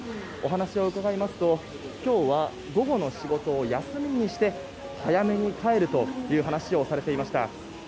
お話を伺いますと今日は午後の仕事を休みにして早めに帰ると話をされていました。